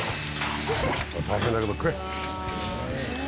大変だけど食え！